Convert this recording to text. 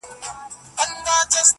نن رستم د افسانو په سترګو وینم!